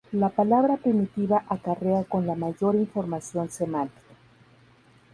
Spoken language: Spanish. La palabra primitiva acarrea con la mayor información semántica.